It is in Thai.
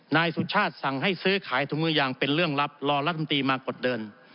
นายสุชาติสั่งให้ซื้อขายถุงมือยางเป็นเรื่องลับรอรัฐมนตรีมากดเดิน